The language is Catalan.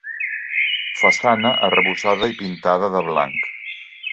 Façana arrebossada i pintada de blanc.